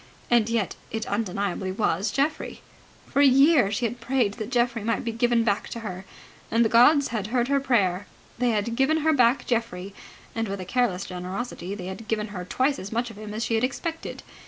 And yet it undeniably was Geoffrey. For a year she had prayed that Geoffrey might be given back to her, and the gods had heard her prayer. They had given her back Geoffrey, and with a careless generosity they had given her twice as much of him as she had expected.